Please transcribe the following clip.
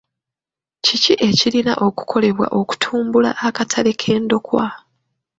Ki ekirina okukolebwa okutumbula akatale k'endokwa?